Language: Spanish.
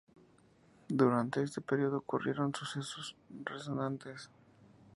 Durante este período ocurrieron sucesos resonantes.